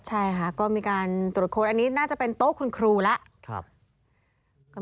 ใช่ค่ะก็มีการตรวจค้นอันนี้น่าจะเป็นโต๊ะคุณครูแล้ว